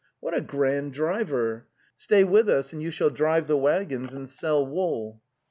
'' What a grand driver! Stay with us and you shall drive the waggons and sell wool."